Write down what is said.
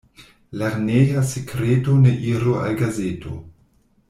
Lerneja sekreto ne iru al gazeto.